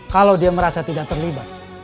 kalau dia merasa tidak terlibat